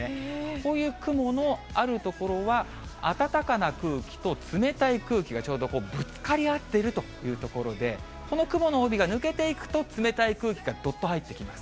こういう雲のある所は、暖かな空気と冷たい空気がちょうどこう、ぶつかり合っているという所で、この雲の帯が抜けていくと、冷たい空気がどっと入ってきます。